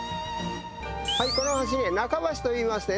この橋ね中橋といいましてね